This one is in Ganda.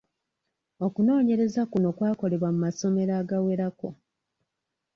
Okunoonyereza kuno kwa kolebwa mu masomero agawerako.